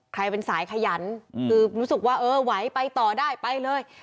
ใครเป็นสายขยันคือรู้สึกว่าเออไหวไปต่อได้ไปเลย